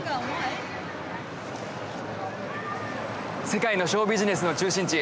世界のショービジネスの中心地